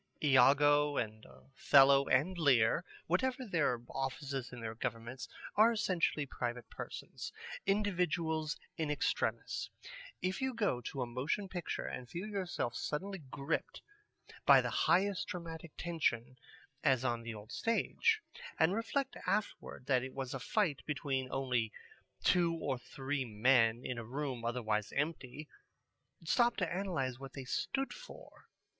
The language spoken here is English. Iago and Othello and Lear, whatever their offices in their governments, are essentially private persons, individuals in extremis. If you go to a motion picture and feel yourself suddenly gripped by the highest dramatic tension, as on the old stage, and reflect afterward that it was a fight between only two or three men in a room otherwise empty, stop to analyze what they stood for.